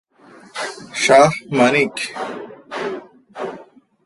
Shah Manik.